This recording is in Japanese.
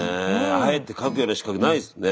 あえて書くような資格ないですね。